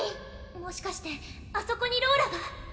もしかしてあそこにローラが？